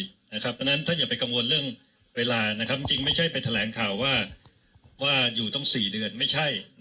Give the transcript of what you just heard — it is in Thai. เพราะฉะนั้นท่านอย่าไปกังวลเรื่องเวลาจริงไม่ใช่ไปแถลงข่าวว่าอยู่ต้อง๔เดือนไม่ใช่